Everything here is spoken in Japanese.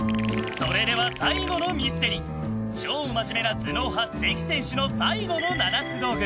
それでは最後のミステリ超真面目な頭脳派関選手の最後の７つ道具。